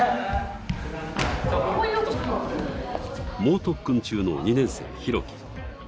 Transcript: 猛特訓中の２年生、ひろき。